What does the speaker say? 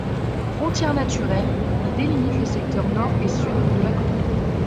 Frontière naturelle, il délimite les secteurs nord et sud de la commune.